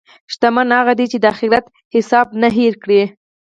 شتمن هغه دی چې د اخرت حساب نه هېر کړي.